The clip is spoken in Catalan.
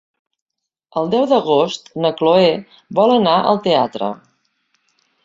El deu d'agost na Chloé vol anar al teatre.